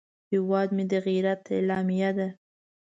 هیواد مې د غیرت علامه ده